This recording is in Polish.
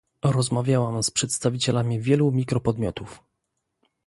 Rozmawiałam z przedstawicielami wielu mikropodmiotów